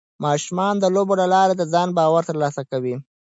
ماشومان د لوبو له لارې د ځان باور ترلاسه کوي.